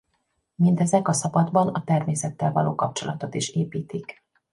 Mindezek a szabadban a természettel való kapcsolatot is építik.